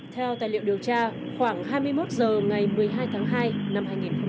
theo tài liệu điều tra khoảng hai mươi một h ngày một mươi hai tháng hai năm hai nghìn hai mươi